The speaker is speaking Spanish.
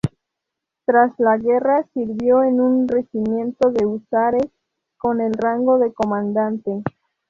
Tras la guerra, sirvió en un regimiento de húsares con el rango de comandante.